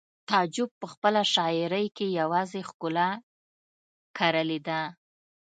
تعجب په خپله شاعرۍ کې یوازې ښکلا کرلې ده